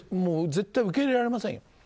絶対受け入れられませんよ。